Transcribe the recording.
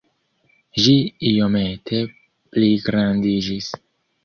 Ĝi iomete pligrandiĝis.